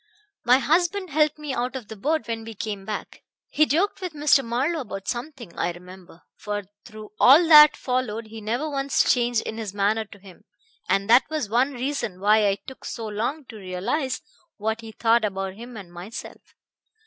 "My husband helped me out of the boat when we came back. He joked with Mr. Marlowe about something, I remember; for through all that followed he never once changed in his manner to him, and that was one reason why I took so long to realize what he thought about him and myself.